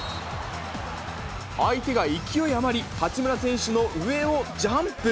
相手が勢い余り、八村選手の上をジャンプ。